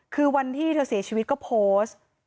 คือวันที่เธอเสียชีวิตก็โพสต์